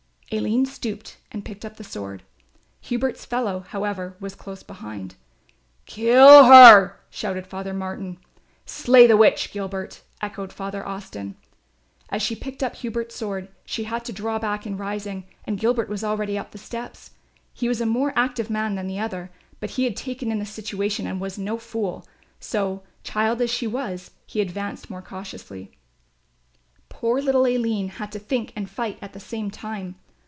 Aline stooped and picked up the sword. Hubert's fellow, however, was close behind. "Kill her!" shouted Father Martin. "Slay the witch, Gilbert," echoed Father Austin. As she picked up Hubert's sword she had to draw back in rising and Gilbert was already up the steps. He was a more active man than the other, but he had taken in the situation and was no fool; so, child as she was, he advanced more cautiously. Poor little Aline had to think and fight at the same time.